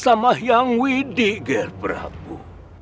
oleh yang widhi gher prabu